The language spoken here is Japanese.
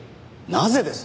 なぜです？